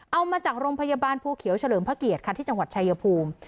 เอามาจากโรงพยาบาลภูเขียวเฉลิมพระเกียรติค่ะที่จังหวัดชายภูมิ